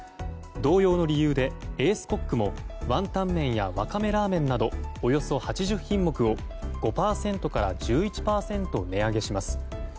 同様の理由でエースコックもワンタンメンやわかめラーメンなどおよそ８０品目を５％から１１％値上げします。